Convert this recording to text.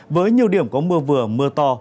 với nhiều điểm có mưa vừa mưa to